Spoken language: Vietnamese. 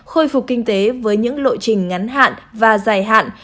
khôi phục kinh tế với những lộ trình ngắn hạn và dài hạn